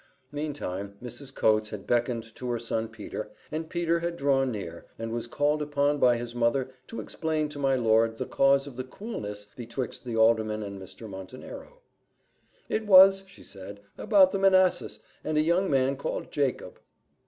Meantime Mrs. Coates had beckoned to her son Peter, and Peter had drawn near, and was called upon by his mother to explain to my lord the cause of the coolness betwixt the alderman and Mr. Montenero: "It was," she said, "about the Manessas, and a young man called Jacob."